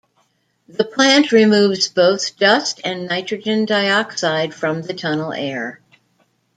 The plant removes both dust and nitrogen dioxide from the tunnel air.